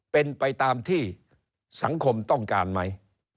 เป็นไปตามที่สังคมต้องการไหม